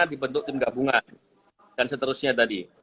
dibentuk tim gabungan dan seterusnya tadi